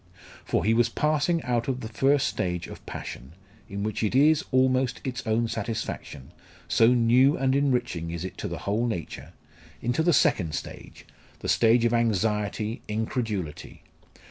For he was passing out of the first stage of passion, in which it is, almost, its own satisfaction, so new and enriching is it to the whole nature, into the second stage the stage of anxiety, incredulity.